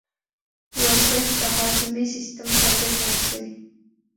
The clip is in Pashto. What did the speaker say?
ورزش د هاضمې سیستم ته ګټه رسوي.